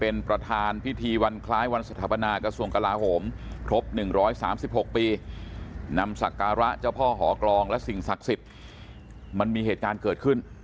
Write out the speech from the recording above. นำสักการะเจ้าพ่อหอกรองและสิ่งศักดิ์สิทธิ์มันมีเหตุการณ์เกิดขึ้น